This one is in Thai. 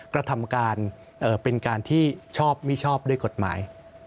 กระทำการเป็นการที่ชอบมิชอบด้วยกฎหมาย